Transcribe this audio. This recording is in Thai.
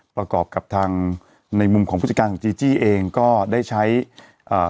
ประกอบกับทางในมุมของผู้จัดการของจีจี้เองก็ได้ใช้เอ่อ